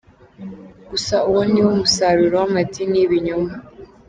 gusa uwo niwo musaruro w’amadini y’ibinyoma.